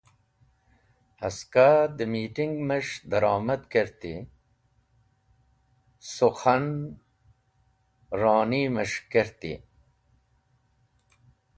Aska dẽ miting’mes̃h daromad kerti, sukhanroni’mes̃h kerti.